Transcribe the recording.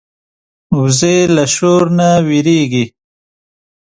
وزې له شور نه وېرېږي